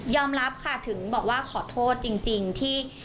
รับค่ะถึงบอกว่าขอโทษจริงที่